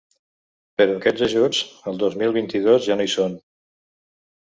Però aquests ajuts, el dos mil vint-i-dos, ja no hi són.